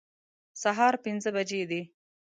سهار پنځه بجې دي